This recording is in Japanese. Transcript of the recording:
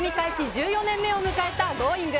１４年目を迎えたＧｏｉｎｇ！